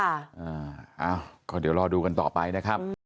อ้าวก็เดี๋ยวรอดูกันต่อไปนะครับ